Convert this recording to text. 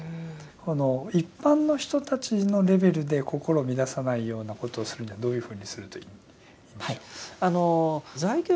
この一般の人たちのレベルで心を乱さないようなことをするにはどういうふうにするといいんでしょうか？